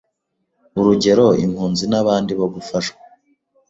urugero impunzi n'abandi bo gufashwa